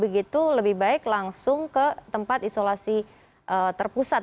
begitu lebih baik langsung ke tempat isolasi terpusat